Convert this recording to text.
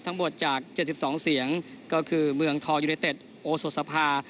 ทั้งหมดจาก๗๒เสียงก็คือเมืองทองยูเนเต็ดโอโสสภา